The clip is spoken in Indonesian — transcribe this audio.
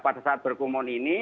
pada saat berkerumun ini